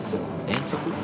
遠足？